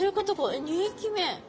えっ２匹目。